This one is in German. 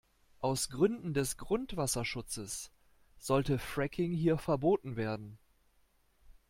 Aus Gründen des Grundwasserschutzes sollte Fracking hier verboten werden.